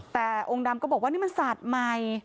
แต่องค์ดำก็บอกว่านี่มันศาสตร์ใหม่